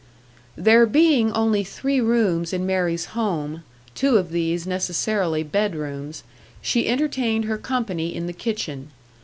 There being only three rooms in Mary's home, two of these necessarily bed rooms, she entertained her company in the kitchen.